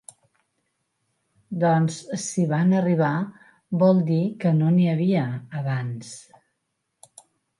Doncs si van arribar vol dir que no n'hi havia, abans.